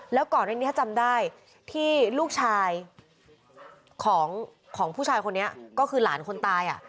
แล้วก่อนอันนี้ถ้าจำได้ที่ลูกชายของผู้ชายคนนี้ก็คือหลานคนตาย